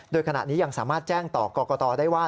โดยขณะนี้ยังสามารถแจ้งต่อกรกตได้ว่า